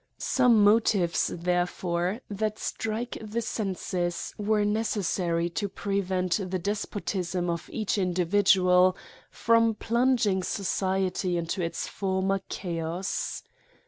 Some motives % i^ AN ESSAY ON therefore, that strike the senses were necessary to prevent the despotism of each individual from plunging society into its former chaos.